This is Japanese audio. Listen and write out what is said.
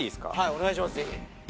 お願いします、ぜひ。